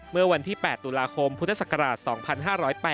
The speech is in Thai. เมื่อวันที่๘ตุลาคมพุทธศักราช๒๕๐๘